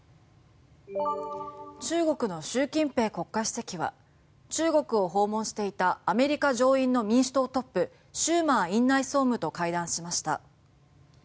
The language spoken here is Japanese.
中国の習近平国家主席は中国を訪問していたアメリカ上院の民主党トップシューマー院内総務と会談しました。